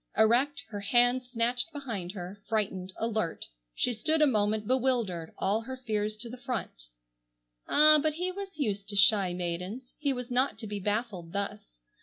Erect, her hands snatched behind her, frightened, alert, she stood a moment bewildered, all her fears to the front. Ah! but he was used to shy maidens. He was not to be baffled thus.